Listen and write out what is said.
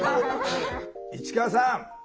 市川さん